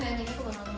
penyanyi gitu tapi kalo